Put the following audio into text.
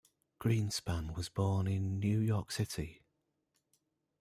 Greenspan was born in New York City.